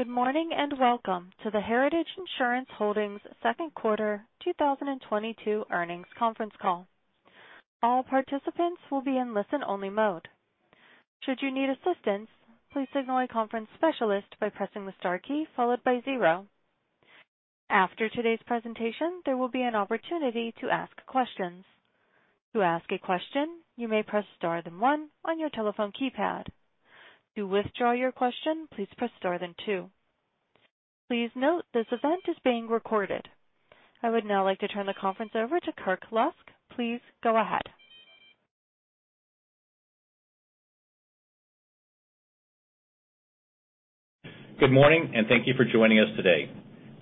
Good morning, and welcome to the Heritage Insurance Holdings Second Quarter 2022 Earnings Conference Call. All participants will be in listen-only mode. Should you need assistance, please signal a conference specialist by pressing the star key followed by zero. After today's presentation, there will be an opportunity to ask questions. To ask a question, you may press star then one on your telephone keypad. To withdraw your question, please press star then two. Please note this event is being recorded. I would now like to turn the conference over to Kirk Lusk. Please go ahead. Good morning, and thank you for joining us today.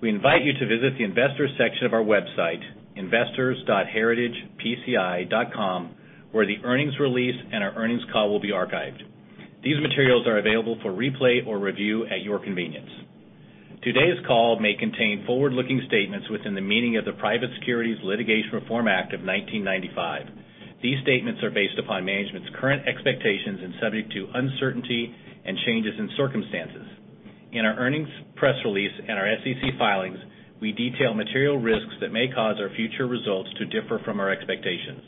We invite you to visit the investors section of our website, investors.heritagepci.com, where the earnings release and our earnings call will be archived. These materials are available for replay or review at your convenience. Today's call may contain forward-looking statements within the meaning of the Private Securities Litigation Reform Act of 1995. These statements are based upon management's current expectations and subject to uncertainty and changes in circumstances. In our earnings press release and our SEC filings, we detail material risks that may cause our future results to differ from our expectations.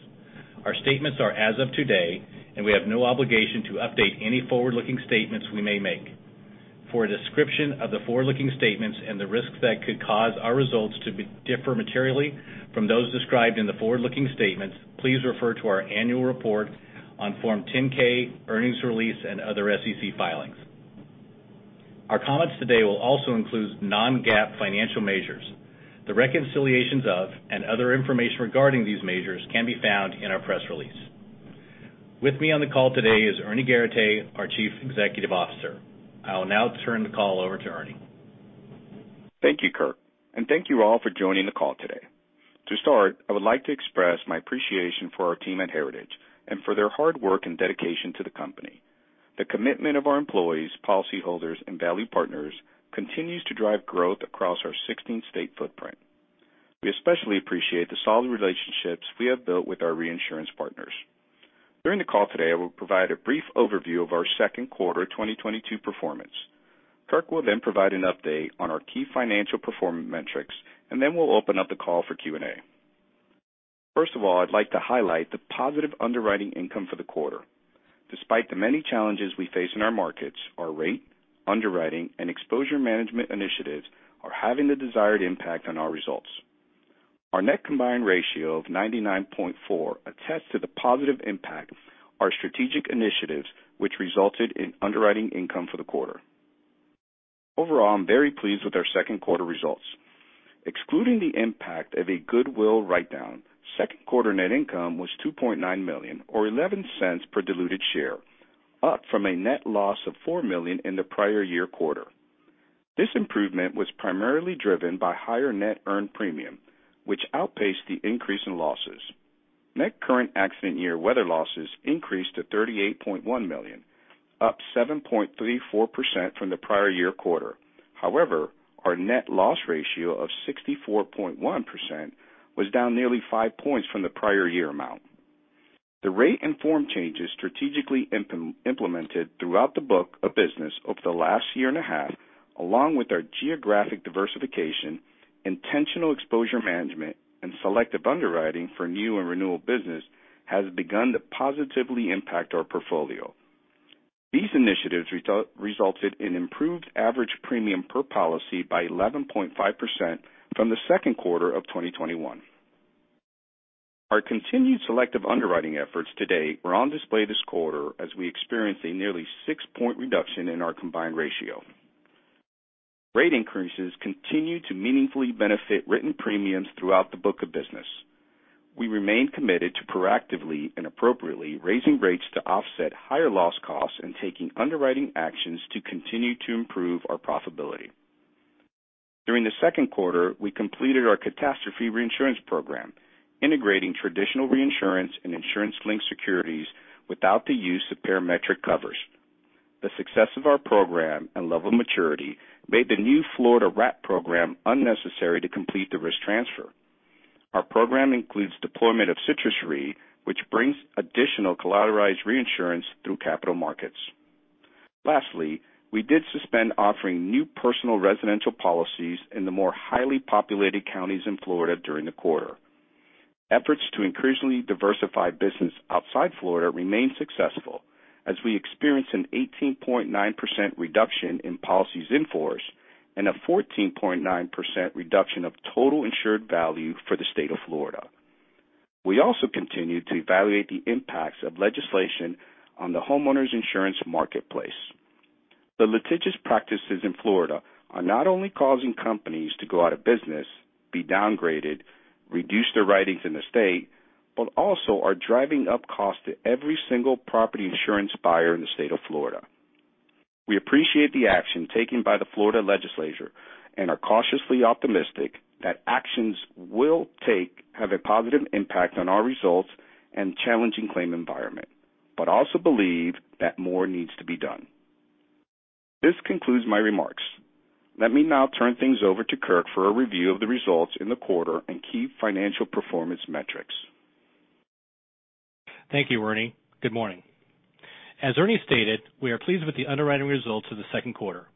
Our statements are as of today, and we have no obligation to update any forward-looking statements we may make. For a description of the forward-looking statements and the risks that could cause our results to differ materially from those described in the forward-looking statements, please refer to our annual report on Form 10-K earnings release and other SEC filings. Our comments today will also include non-GAAP financial measures. The reconciliations of and other information regarding these measures can be found in our press release. With me on the call today is Ernie Garateix, our Chief Executive Officer. I'll now turn the call over to Ernie. Thank you, Kirk, and thank you all for joining the call today. To start, I would like to express my appreciation for our team at Heritage and for their hard work and dedication to the company. The commitment of our employees, policyholders, and value partners continues to drive growth across our 16-state footprint. We especially appreciate the solid relationships we have built with our reinsurance partners. During the call today, I will provide a brief overview of our second quarter 2022 performance. Kirk will then provide an update on our key financial performance metrics, and then we'll open up the call for Q&A. First of all, I'd like to highlight the positive underwriting income for the quarter. Despite the many challenges we face in our markets, our rate, underwriting, and exposure management initiatives are having the desired impact on our results. Our net combined ratio of 99.4 attests to the positive impact of our strategic initiatives, which resulted in underwriting income for the quarter. Overall, I'm very pleased with our second quarter results. Excluding the impact of a goodwill write-down, second quarter net income was $2.9 million or 0.11 per diluted share, up from a net loss of $4 million in the prior year quarter. This improvement was primarily driven by higher net earned premium, which outpaced the increase in losses. Net current accident year weather losses increased to $38.1 million, up 7.34% from the prior year quarter. However, our net loss ratio of 64.1% was down nearly five points from the prior year amount. The rate and form changes strategically implemented throughout the book of business over the last year and a half, along with our geographic diversification, intentional exposure management, and selective underwriting for new and renewal business, has begun to positively impact our portfolio. These initiatives resulted in improved average premium per policy by 11.5% from the second quarter of 2021. Our continued selective underwriting efforts to date were on display this quarter as we experienced a nearly 6-point reduction in our combined ratio. Rate increases continue to meaningfully benefit written premiums throughout the book of business. We remain committed to proactively and appropriately raising rates to offset higher loss costs and taking underwriting actions to continue to improve our profitability. During the second quarter, we completed our catastrophe reinsurance program, integrating traditional reinsurance and insurance-linked securities without the use of parametric covers. The success of our program and level of maturity made the new Florida RAP program unnecessary to complete the risk transfer. Our program includes deployment of Citrus Re, which brings additional collateralized reinsurance through capital markets. Lastly, we did suspend offering new personal residential policies in the more highly populated counties in Florida during the quarter. Efforts to increasingly diversify business outside Florida remain successful as we experienced an 18.9% reduction in policies in force and a 14.9% reduction of total insured value for the state of Florida. We also continue to evaluate the impacts of legislation on the homeowners insurance marketplace. The litigious practices in Florida are not only causing companies to go out of business, be downgraded, reduce their writings in the state, but also are driving up costs to every single property insurance buyer in the state of Florida. We appreciate the action taken by the Florida legislature and are cautiously optimistic that actions taken have a positive impact on our results in the challenging claims environment, but also believe that more needs to be done. This concludes my remarks. Let me now turn things over to Kirk for a review of the results in the quarter and key financial performance metrics. Thank you, Ernie. Good morning. As Ernie stated, we are pleased with the underwriting results of the second quarter.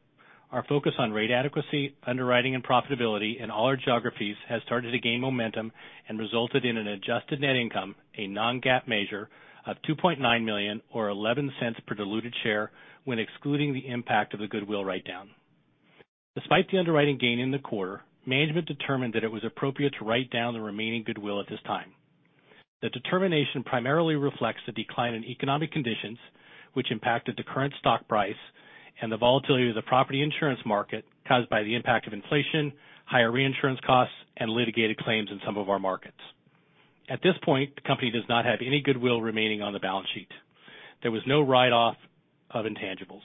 Our focus on rate adequacy, underwriting, and profitability in all our geographies has started to gain momentum and resulted in an Adjusted net income, a non-GAAP measure of $2.9 million or 0.11 per diluted share when excluding the impact of the goodwill write-down. Despite the underwriting gain in the quarter, management determined that it was appropriate to write down the remaining goodwill at this time. The determination primarily reflects the decline in economic conditions, which impacted the current stock price and the volatility of the property insurance market caused by the impact of inflation, higher reinsurance costs, and litigated claims in some of our markets. At this point, the company does not have any goodwill remaining on the balance sheet. There was no write-off of intangibles.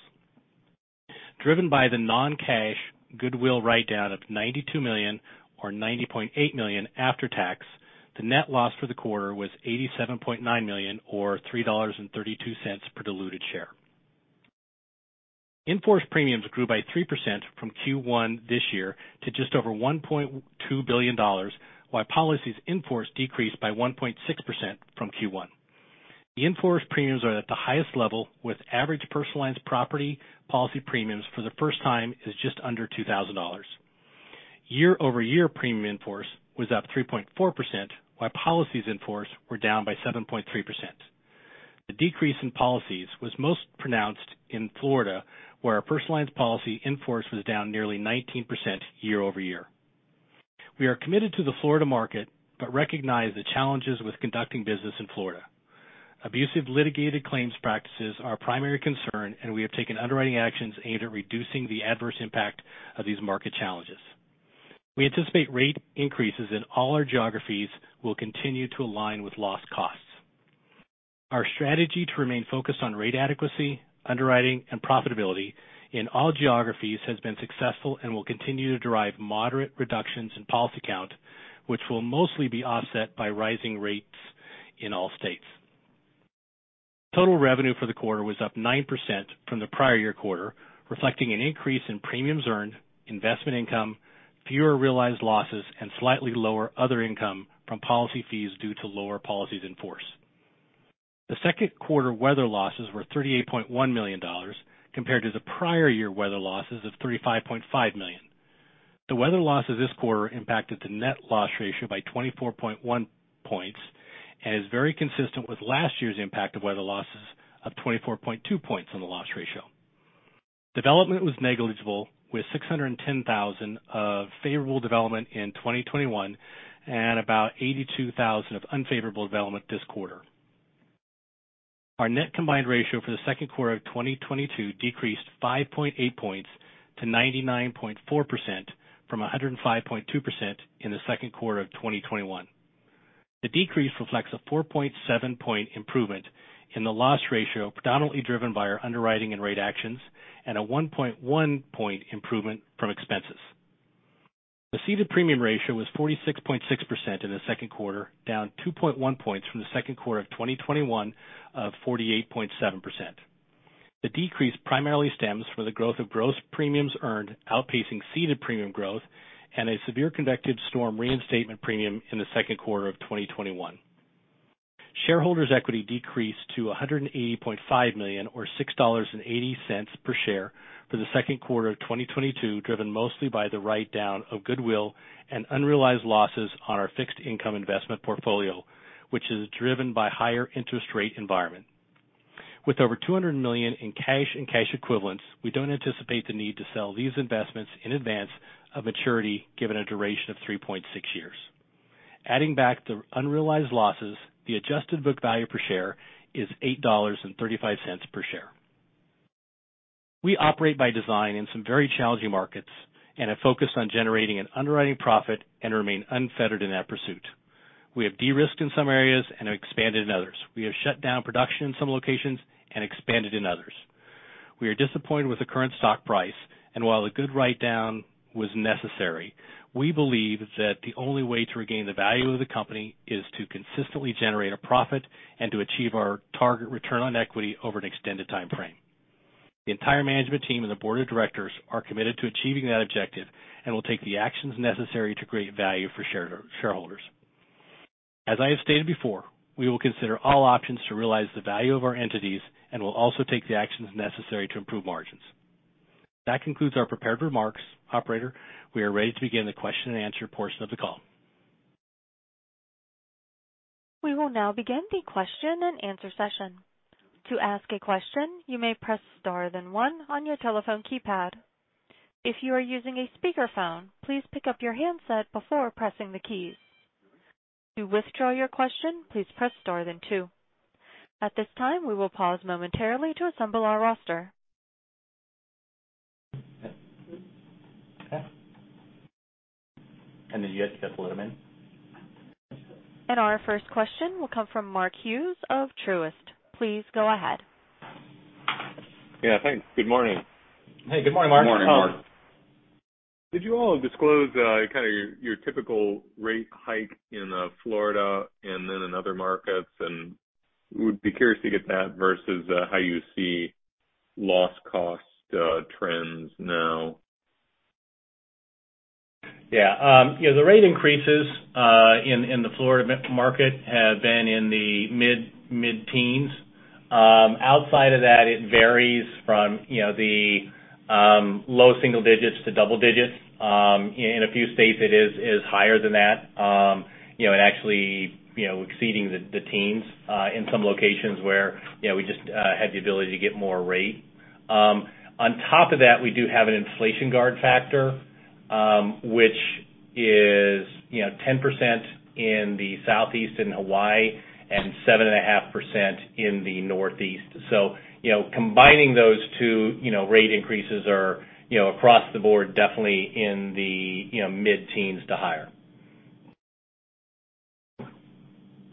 Driven by the non-cash goodwill write-down of $92 million or 90.8 million after tax, the net loss for the quarter was $87.9 million or 3.32 per diluted share. In-force premiums grew by 3% from Q1 this year to just over $1.2 billion, while policies in force decreased by 1.6% from Q1. The in-force premiums are at the highest level with average personal lines property policy premiums for the first time is just under $2,000. Year-over-year premium in-force was up 3.4%, while policies in force were down by 7.3%. The decrease in policies was most pronounced in Florida, where our personal lines policy in force was down nearly 19% year-over-year. We are committed to the Florida market but recognize the challenges with conducting business in Florida. Abusive litigated claims practices are a primary concern, and we have taken underwriting actions aimed at reducing the adverse impact of these market challenges. We anticipate rate increases in all our geographies will continue to align with loss costs. Our strategy to remain focused on rate adequacy, underwriting, and profitability in all geographies has been successful and will continue to drive moderate reductions in policy count, which will mostly be offset by rising rates in all states. Total revenue for the quarter was up 9% from the prior year quarter, reflecting an increase in premiums earned, investment income, fewer realized losses, and slightly lower other income from policy fees due to lower policies in force. The second quarter weather losses were $38.1 million compared to the prior year weather losses of $35.5 million. The weather losses this quarter impacted the net loss ratio by 24.1 points and is very consistent with last year's impact of weather losses of 24.2 points on the loss ratio. Development was negligible, with $610,000 of favorable development in 2021 and about $82,000 of unfavorable development this quarter. Our net combined ratio for the second quarter of 2022 decreased 5.8 points to 99.4% from 105.2% in the second quarter of 2021. The decrease reflects a 4.7-point improvement in the loss ratio, predominantly driven by our underwriting and rate actions and a 1.1 point improvement from expenses. The ceded premium ratio was 46.6% in the second quarter, down 2.1 points from the second quarter of 2021 of 48.7%. The decrease primarily stems from the growth of gross premiums earned outpacing ceded premium growth and a severe convective storm reinstatement premium in the second quarter of 2021. Shareholders' equity decreased to $180.5 million or 6.80 per share for the second quarter of 2022, driven mostly by the write-down of goodwill and unrealized losses on our fixed income investment portfolio, which is driven by higher interest rate environment. With over $200 million in cash and cash equivalents, we don't anticipate the need to sell these investments in advance of maturity given a duration of 3.6 years. Adding back the unrealized losses, the Adjusted book value per share is $8.35 per share. We operate by design in some very challenging markets, and are focused on generating an underwriting profit and remain unfettered in that pursuit. We have de-risked in some areas and have expanded in others. We have shut down production in some locations and expanded in others. We are disappointed with the current stock price, and while a good write-down was necessary, we believe that the only way to regain the value of the company is to consistently generate a profit and to achieve our target return on equity over an extended time frame. The entire management team and the board of directors are committed to achieving that objective and will take the actions necessary to create value for shareholders. As I have stated before, we will consider all options to realize the value of our entities and will also take the actions necessary to improve margins. That concludes our prepared remarks. Operator, we are ready to begin the question-and-answer portion of the call. We will now begin the question-and-answer session. To ask a question, you may press star then one on your telephone keypad. If you are using a speakerphone, please pick up your handset before pressing the keys. To withdraw your question, please press star then two. At this time, we will pause momentarily to assemble our roster. You have to step a little bit in. Our first question will come from Mark Hughes of Truist. Please go ahead. Yeah, thanks. Good morning. Hey, good morning, Mark. Good morning, Mark. Did you all disclose, kind of your typical rate hike in, Florida and then in other markets? Would be curious to get that versus, how you see loss cost, trends now. Yeah. You know, the rate increases in the Florida market have been in the mid-teens. Outside of that, it varies from, you know, the low single digits to double digits. In a few states, it is higher than that, you know, and actually, you know, exceeding the teens in some locations where, you know, we just had the ability to get more rate. On top of that, we do have an inflation guard factor, which is, you know, 10% in the Southeast and Hawaii and 7.5% in the Northeast. Combining those two, you know, rate increases are, you know, across the board, definitely in the mid-teens to higher.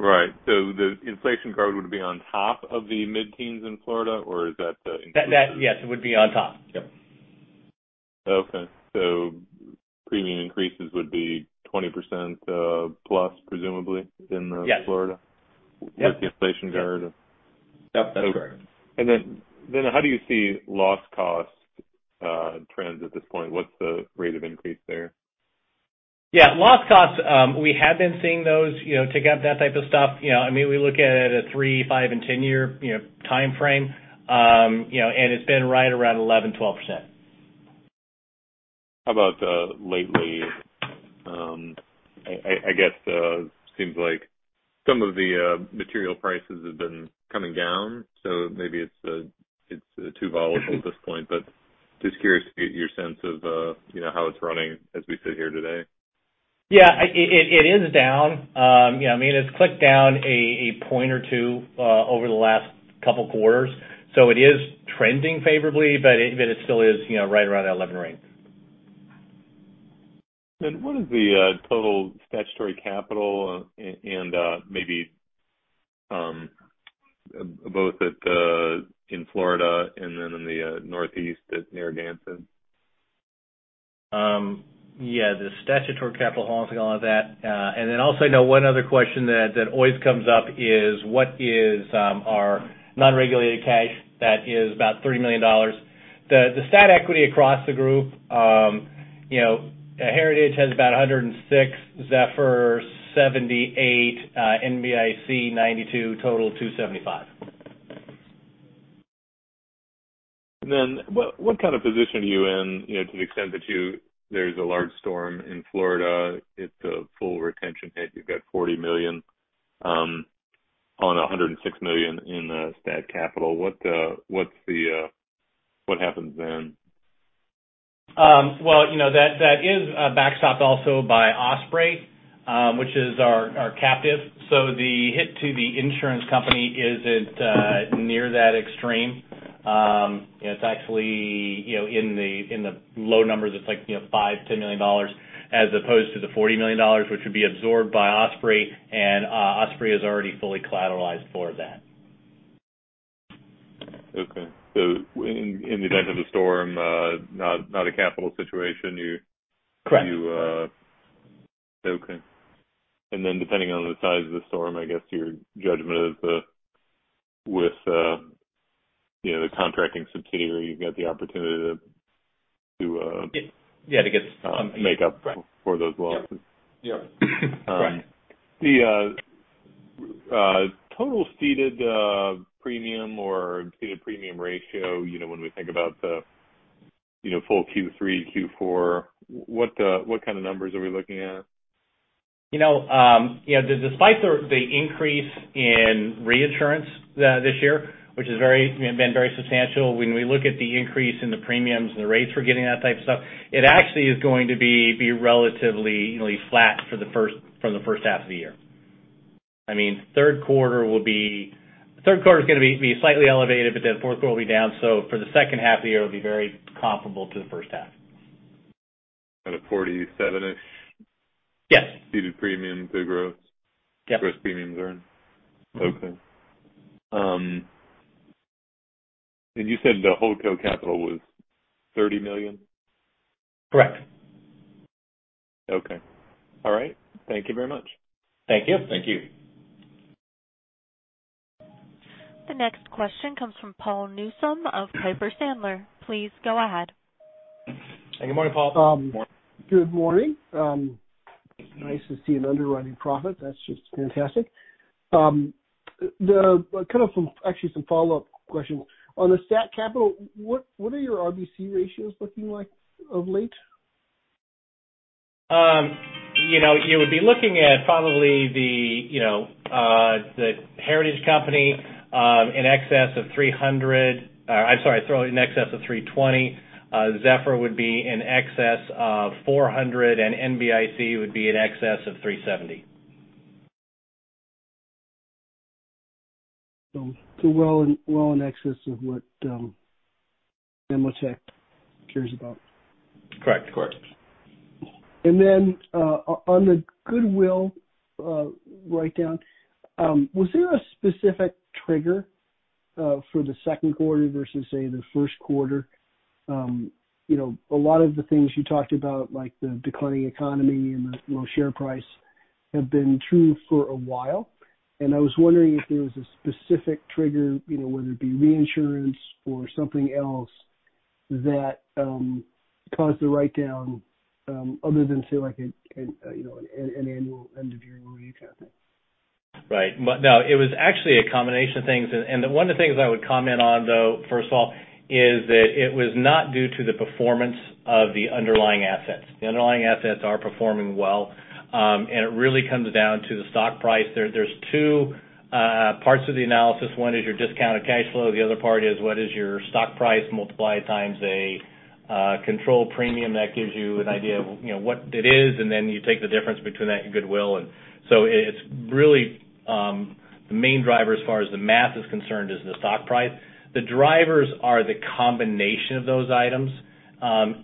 Right. The inflation guard would be on top of the mid-teens in Florida, or is that the increase? Yes, it would be on top. Yep. Okay. Premium increases would be 20%, plus presumably in the- Yes. Florida? Yep. With the inflation guard. Yep, that's correct. How do you see loss cost trends at this point? What's the rate of increase there? Yeah. Loss costs, we have been seeing those, you know, tick up, that type of stuff. You know, I mean, we look at it at a three, five and 10-year, you know, timeframe, you know, and it's been right around 11%-12%. How about lately? I guess seems like some of the material prices have been coming down, so maybe it's too volatile at this point, but just curious to get your sense of you know how it's running as we sit here today. Yeah, it is down. You know, I mean, it's ticked down a point or two over the last couple quarters. It is trending favorably, but it still is, you know, right around that 11 range. What is the total statutory capital and maybe both in Florida and then in the Northeast at Narragansett? Yeah, the statutory capital, holding company audit. And then also, now one other question that always comes up is what is our non-regulated cash. That is about $30 million. The stat equity across the group, you know, Heritage has about $106 million, Zephyr $78 million, NBIC $92 million, total $275 million. What kind of position are you in, you know, to the extent that there's a large storm in Florida, it's a full retention hit. You've got $40 million on a 106 million in stat capital. What happens then? Well, you know, that is backstopped also by Osprey, which is our captive. The hit to the insurance company isn't near that extreme. It's actually, you know, in the low numbers, it's like, you know, $5-10 million as opposed to the $40 million, which would be absorbed by Osprey. Osprey is already fully collateralized for that. Okay. In the event of a storm, not a cat situation, you. Correct. Okay. Depending on the size of the storm, I guess your judgment with, you know, the contracting subsidiary, you've got the opportunity to- Yeah, to get some. Make up for those losses. Yeah. Correct. The total ceded premium or ceded premium ratio, you know, when we think about the, you know, full Q3, Q4, what kind of numbers are we looking at? You know, despite the increase in reinsurance this year, which is very, you know, been very substantial, when we look at the increase in the premiums and the rates we're getting that type of stuff, it actually is going to be relatively flat for the first half of the year. I mean, third quarter is gonna be slightly elevated, but then fourth quarter will be down. For the second half of the year, it'll be very comparable to the first half. At a 47-ish? Yes. Ceded premium to gross. Yep. Gross premiums earned. Okay. You said the HoldCo Capital was $30 million? Correct. Okay. All right. Thank you very much. Thank you. Thank you. The next question comes from Paul Newsome of Piper Sandler. Please go ahead. Good morning, Paul. Good morning. Good morning. Nice to see an underwriting profit. That's just fantastic. Actually, some follow-up questions. On the statutory capital, what are your RBC ratios looking like of late? You know, you would be looking at probably the, you know, the Heritage company in excess of $320. Zephyr would be in excess of $400, and NBIC would be in excess of $370. Well in excess of what AM Best cares about. Correct. On the goodwill write-down, was there a specific trigger for the second quarter versus, say, the first quarter? You know, a lot of the things you talked about, like the declining economy and the low share price. Have been true for a while, and I was wondering if there was a specific trigger, you know, whether it be reinsurance or something else that caused the write-down, other than, say, like an, you know, an annual end of year review type thing? Right. No, it was actually a combination of things. The one of the things I would comment on though, first of all, is that it was not due to the performance of the underlying assets. The underlying assets are performing well, and it really comes down to the stock price. There's two parts of the analysis. 1 is your discounted cash flow, the other part is what is your stock price multiplied times a control premium. That gives you an idea of, you know, what it is, and then you take the difference between that and goodwill. It's really the main driver as far as the math is concerned is the stock price. The drivers are the combination of those items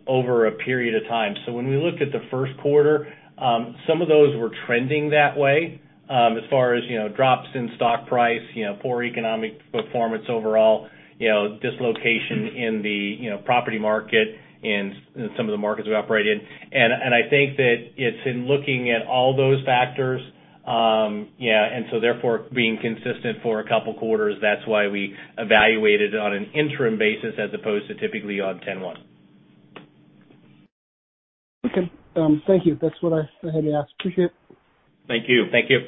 over a period of time. When we look at the first quarter, some of those were trending that way, as far as, you know, drops in stock price, you know, poor economic performance overall, you know, dislocation in the, you know, property market and some of the markets we operate in. I think that it's in looking at all those factors, yeah, and so therefore being consistent for a couple quarters, that's why we evaluated on an interim basis as opposed to typically on 10-1. Okay. Thank you. That's what I had to ask. Appreciate it. Thank you. Thank you.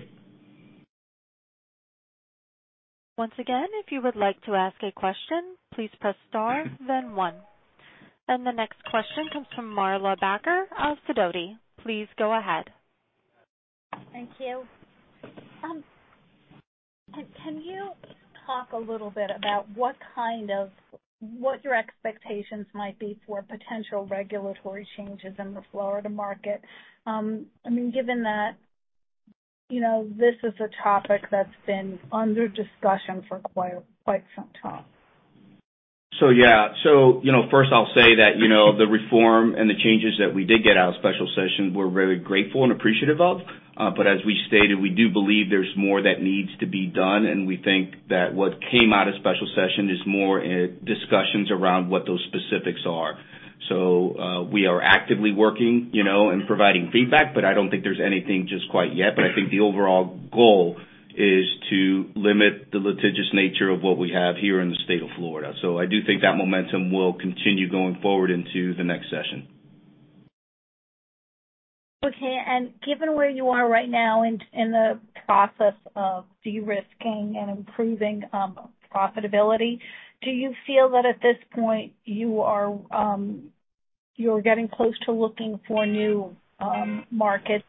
Once again, if you would like to ask a question, please press star then one. The next question comes from Marla Backer of Fidelity. Please go ahead. Thank you. Can you talk a little bit about what your expectations might be for potential regulatory changes in the Florida market, I mean given that, you know, this is a topic that's been under discussion for quite some time. You know, first I'll say that, you know, the reform and the changes that we did get out of special session. We're very grateful and appreciative of. As we stated, we do believe there's more that needs to be done, and we think that what came out of special session is more discussions around what those specifics are. We are actively working, you know, and providing feedback, but I don't think there's anything just quite yet. I think the overall goal is to limit the litigious nature of what we have here in the state of Florida. I do think that momentum will continue going forward into the next session. Okay. Given where you are right now in the process of de-risking and improving profitability, do you feel that at this point you are, you're getting close to looking for new markets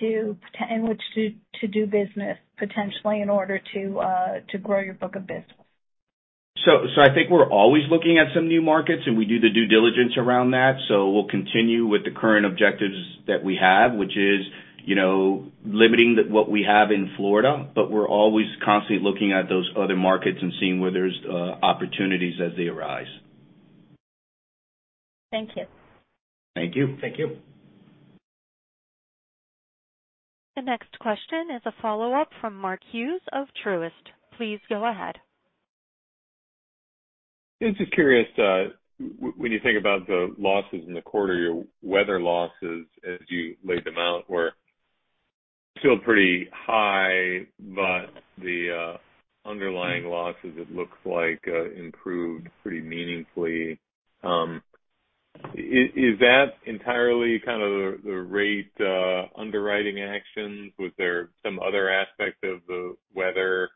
in which to do business potentially in order to grow your book of business? I think we're always looking at some new markets, and we do the due diligence around that. We'll continue with the current objectives that we have, which is, you know, limiting what we have in Florida. We're always constantly looking at those other markets and seeing where there's opportunities as they arise. Thank you. Thank you. Thank you. The next question is a follow-up from Mark Hughes of Truist. Please go ahead. Just curious, when you think about the losses in the quarter, your weather losses as you laid them out were still pretty high, but the underlying losses it looks like improved pretty meaningfully. Is that entirely kind of the rate underwriting actions? Was there some other aspect of the weather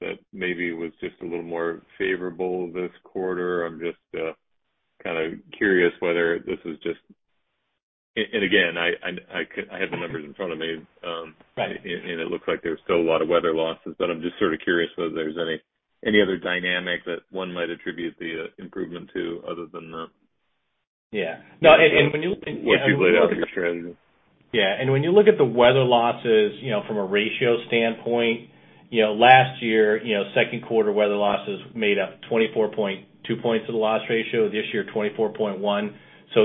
that maybe was just a little more favorable this quarter? I'm just kind of curious whether this is just. Again, I have the numbers in front of me. Right. It looks like there's still a lot of weather losses, but I'm just sort of curious whether there's any other dynamic that one might attribute the improvement to other than the. Yeah. No. What you laid out here. Yeah. When you look at the weather losses, you know, from a ratio standpoint, you know, last year, you know, second quarter weather losses made up 24.2 points of the loss ratio. This year, 24.1.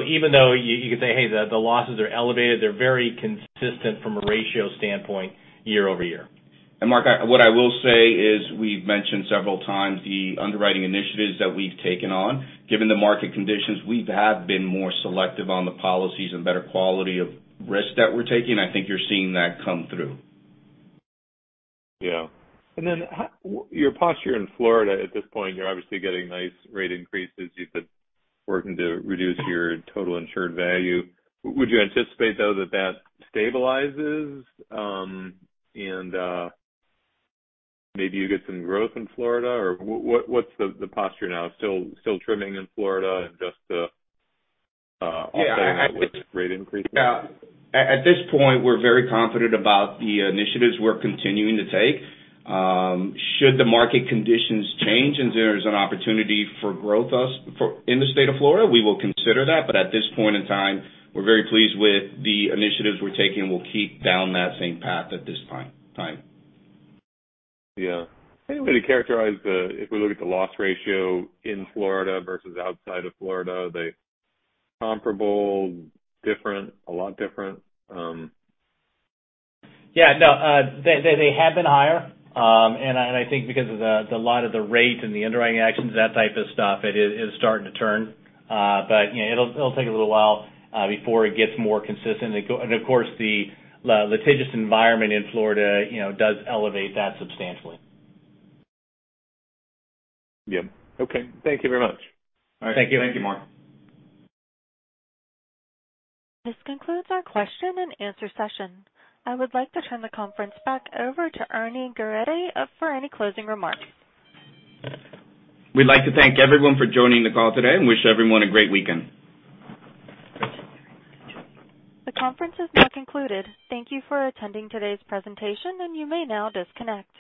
Even though you could say, "Hey, the losses are elevated," they're very consistent from a ratio standpoint year-over-year. Mark, what I will say is we've mentioned several times the underwriting initiatives that we've taken on. Given the market conditions, we have been more selective on the policies and better quality of risk that we're taking. I think you're seeing that come through. Yeah. How your posture in Florida at this point, you're obviously getting nice rate increases. You've been working to reduce your total insured value. Would you anticipate though that that stabilizes, and maybe you get some growth in Florida? Or what's the posture now? Still trimming in Florida and just offsetting that with rate increases? Yeah. At this point, we're very confident about the initiatives we're continuing to take. Should the market conditions change and there's an opportunity for growth in the state of Florida, we will consider that. At this point in time, we're very pleased with the initiatives we're taking, and we'll keep down that same path at this time. Yeah. Any way to characterize, if we look at the loss ratio in Florida versus outside of Florida, are they comparable, different, a lot different? Yeah, no. They have been higher. I think because of a lot of the rate and the underwriting actions, that type of stuff, it's starting to turn. You know, it'll take a little while before it gets more consistent. Of course, the litigious environment in Florida, you know, does elevate that substantially. Yeah. Okay. Thank you very much. All right. Thank you. Thank you, Mark. This concludes our question and answer session. I would like to turn the conference back over to Ernie Garateix for any closing remarks. We'd like to thank everyone for joining the call today and wish everyone a great weekend. The conference is now concluded. Thank you for attending today's presentation, and you may now disconnect.